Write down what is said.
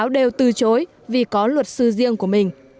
đều từ chối vì có luật sư riêng của mình